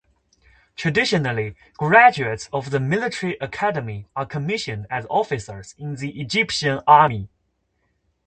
Traditionally, graduates of the Military Academy are commissioned as officers in the Egyptian Army.